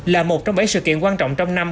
là một trong bảy sự kiện quan trọng trong năm